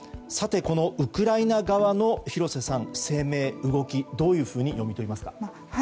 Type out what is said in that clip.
さて、このウクライナ側の廣瀬さん、声明、動きどういうふうに読み取りますか？